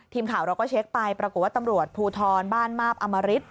ทีมข่าวเราก็เช็คไปปรากฏว่าตำรวจภูทรบ้านมาบอมริต